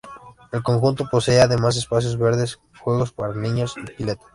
El conjunto posee, además, espacios verdes, juegos para niños y pileta.